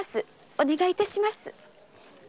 お願いいたします。